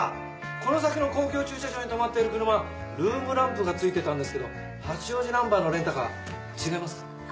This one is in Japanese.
この先の公共駐車場に止まっている車ルームランプがついてたんですけど八王子ナンバーのレンタカー違います？